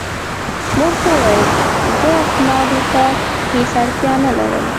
ما ورته وویل: زه اسنادو ته هیڅ اړتیا نه لرم.